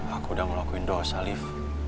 aku udah ngelakuin dosa liv